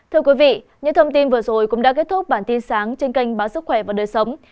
thưa quý vị những thông tin vừa rồi cũng đã kết thúc bản tin sáng trên kênh báo sức khỏe và đời sống